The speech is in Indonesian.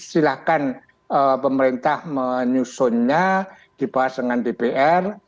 silahkan pemerintah menyusunnya dibahas dengan dpr